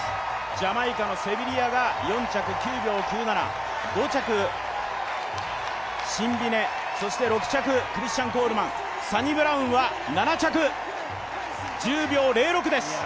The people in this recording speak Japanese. ジャマイカのセビリアが４着９秒９７５着、シンビネ、そして６着クリスチャン・コールマンサニブラウンは７着、１０秒０６です。